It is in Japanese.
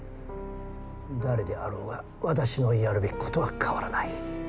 誰であろうが私のやるべきことは変わらない。